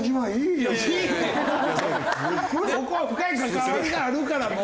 そこは深い関わりがあるからもう！